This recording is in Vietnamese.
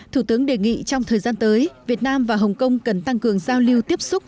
thủ tướng đề nghị trong thời gian tới việt nam và hồng kông cần tăng cường giao lưu tiếp xúc